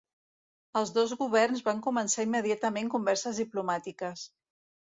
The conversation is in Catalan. Els dos governs van començar immediatament converses diplomàtiques.